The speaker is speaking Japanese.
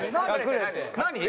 何？